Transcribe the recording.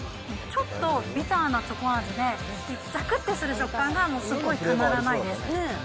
ちょっとビターなチョコ味で、ざくってする食感が、もうすっごいたまらないです。